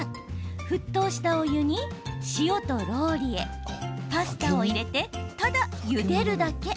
沸騰したお湯に塩とローリエパスタを入れて、ただゆでるだけ。